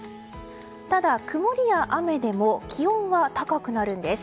ただ、曇りや雨でも気温は高くなるんです。